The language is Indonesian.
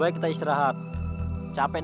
pokoknya bisa kelvin